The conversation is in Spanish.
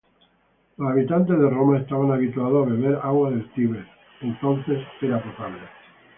Los habitantes de Roma estaban habituados a beber agua del Tíber, entonces potable.